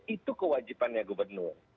itu kewajipannya gubernur